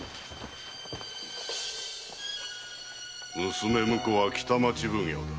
娘婿は北町奉行だ。